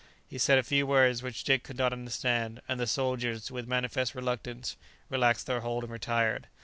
He said a few words which Dick could not understand, and the soldiers, with manifest reluctance, relaxed their hold and retired.